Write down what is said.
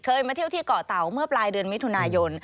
มาเที่ยวที่เกาะเตาเมื่อปลายเดือนมิถุนายน